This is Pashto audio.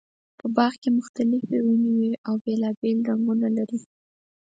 په باغ کې مختلفې ونې وي او بېلابېل رنګونه لري.